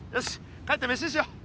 帰ってめしにしよう。